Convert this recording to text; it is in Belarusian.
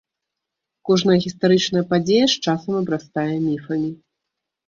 Кожная гістарычная падзея з часам абрастае міфамі.